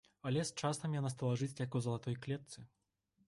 Але з часам яна стала жыць, як у залатой клетцы.